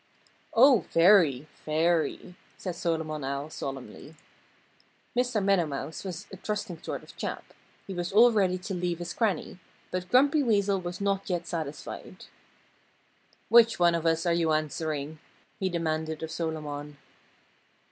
"Oh, very! Very!" said Solomon Owl solemnly. Mr. Meadow Mouse was a trusting sort of chap. He was all ready to leave his cranny. But Grumpy Weasel was not yet satisfied. "Which one of us are you answering?" he demanded of Solomon.